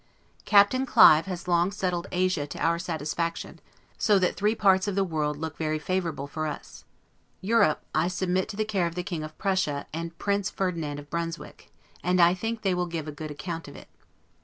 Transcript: Captain Clive has long since settled Asia to our satisfaction; so that three parts of the world look very favorable for us. Europe, I submit to the care of the King of Prussia and Prince Ferdinand of Brunswick; and I think they will give a good account of it.